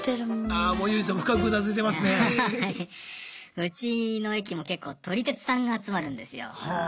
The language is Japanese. うちの駅もけっこう撮り鉄さんが集まるんですよ。